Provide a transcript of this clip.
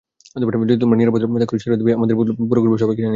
যদি তোমরা নিরাপদ থাকো ঈশ্বরের দিব্বি, আমাদের পুরো গ্রুপের সবাইকে জানিয়ে দাও।